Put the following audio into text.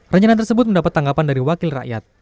rencana tersebut mendapat tanggapan dari wakil rakyat